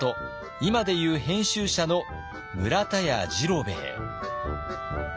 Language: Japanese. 今でいう編集者の村田屋治郎兵衛。